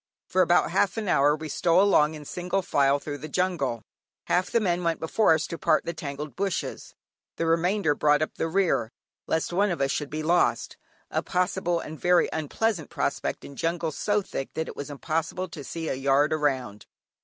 For about half an hour we stole along in single file through the jungle. Half the men went before us to part the tangled bushes, the remainder brought up the rear, lest one of us should be lost; a possible and very unpleasant prospect in jungle so thick that it is impossible to see a yard around.